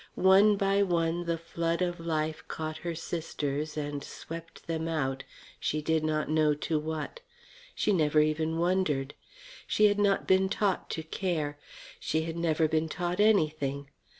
One by one the flood of life caught her sisters and swept them out, she did not know to what. She never even wondered. She had not been taught to care. She had never been taught anything.